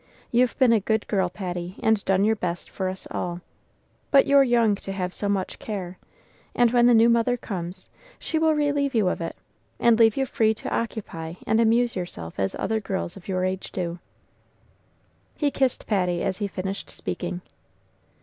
You've been a good girl, Patty, and done your best for us all; but you're young to have so much care, and when the new mother comes, she will relieve you of it, and leave you free to occupy and amuse yourself as other girls of your age do." He kissed Patty as he finished speaking.